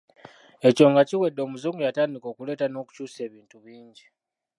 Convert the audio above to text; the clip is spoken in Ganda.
Ekyo nga kiwedde Omuzungu yatandika okuleeta n’okukyusa ebintu bingi.